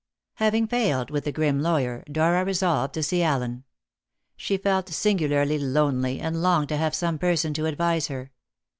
Having failed with the grim lawyer, Dora resolved to see Allen. She felt singularly lonely, and longed to have some person to advise her.